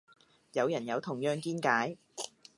有人有同樣見解